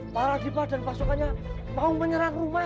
para dipadang pasukannya mau menyerang rumah